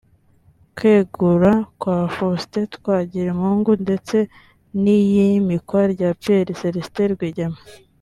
Kwegura kwa Faustin Twangiramungu ndetse n’iyimikwa rya Pierre celestin Rwigema